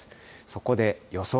そこで予想